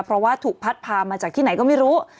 เพราะว่าถูกพัดพามาจากที่ไหนก็ไม่รู้